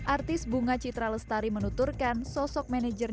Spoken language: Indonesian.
artis bunga citra lestari menuturkan sosok manajernya